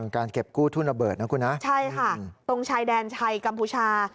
การเก็บกู้ทุนระเบิดนะคุณนะใช่ค่ะตรงชายแดนไทยกัมพูชา